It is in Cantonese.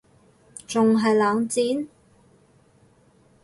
仲係冷戰????？